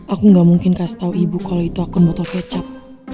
aku gak mungkin kasih tahu ibu kalau itu aku botol kecap